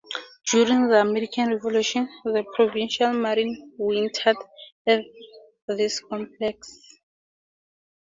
During the American Revolution, the Provincial Marine wintered at this complex.